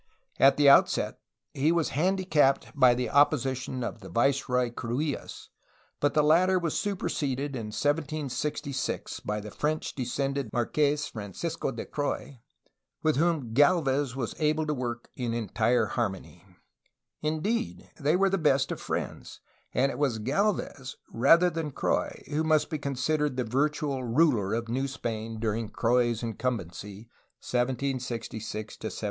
At the outset he was handi capped by the opposition of Viceroy Cruillas, but the latter was superseded in 1766 by the French descended Marques (Francisco) de Croix, with whom Gdlvez was able to work in entire harmony ; indeed, they were the best of friends, and it was Gdlvez rather than Croix who must be considered the virtual ruler of New Spain during Croix's incumbency, 1766 to 1771.